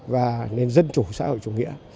và nên dân chủ xã hội chủ nghĩa